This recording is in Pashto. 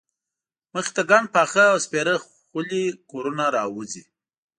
مخې ته ګڼ پاخه او سپېره خولي کورونه راوځي.